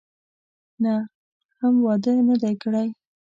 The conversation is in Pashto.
نه، هم واده نه دی کړی.